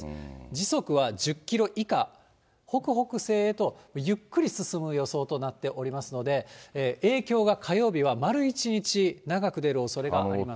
時速は１０キロ以下、北北西へとゆっくり進む予想となっておりますので、影響が火曜日は丸１日長く出るおそれがあります。